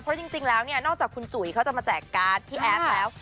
เพราะจริงแล้วเนี่ยนอกจากคุณจุ๋ยเขาจะมาแจกการ์ดพี่แอดแล้ว